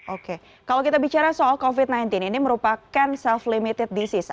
oke kalau kita bicara soal covid sembilan belas ini merupakan self limited disease